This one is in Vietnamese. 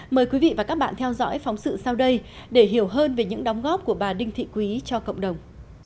mời quý vị và các bạn theo dõi phóng sự sau đây để hiểu hơn về những đóng góp của bà đinh thị quý cho cộng đồng